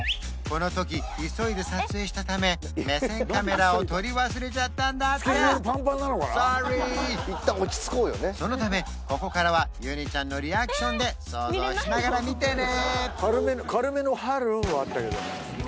この時急いで撮影したため目線カメラを撮り忘れちゃったんだってソーリーそのためここからはユニちゃんのリアクションで想像しながら見てね！